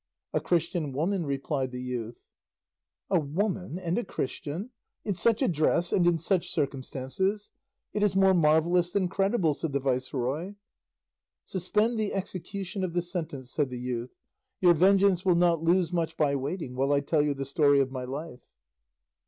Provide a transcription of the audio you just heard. "A Christian woman," replied the youth. "A woman and a Christian, in such a dress and in such circumstances! It is more marvellous than credible," said the viceroy. "Suspend the execution of the sentence," said the youth; "your vengeance will not lose much by waiting while I tell you the story of my life."